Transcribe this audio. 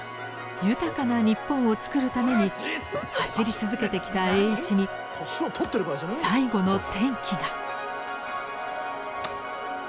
豊かな日本を作るために走り続けてきた栄一に最後の転機が。